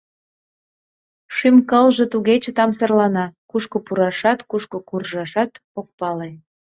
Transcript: Шӱм-кылже туге чытамсырлана — кушко пурашат, кушко куржашат ок пале.